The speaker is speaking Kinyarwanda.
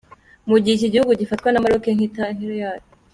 Ni mu gihe iki gihugu gifatwa na Maroc nk’intara yayo.